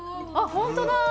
本当だ！